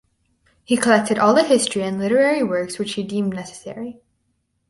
He collected all the history and literary works which he deemed necessary.